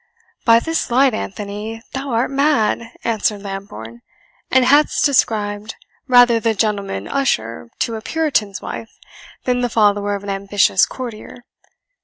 "By this light, Anthony, thou art mad," answered Lambourne, "and hast described rather the gentleman usher to a puritan's wife, than the follower of an ambitious courtier!